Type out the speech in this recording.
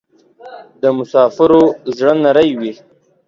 د مسافرو زړه نری وی